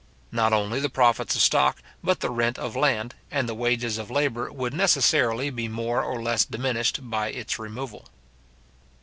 Not only the profits of stock, but the rent of land, and the wages of labour, would necessarily be more or less diminished by its removal.